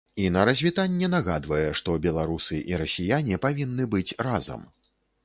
І на развітанне нагадвае, што беларусы і расіяне павінны быць разам.